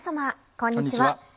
こんにちは。